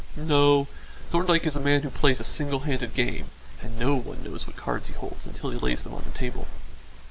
No; Thorndyke is a man who plays a single handed game and no one knows what cards he holds until he lays them on the table."